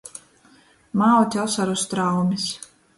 Maut osoru straumis.